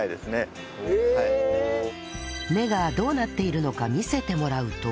根がどうなっているのか見せてもらうと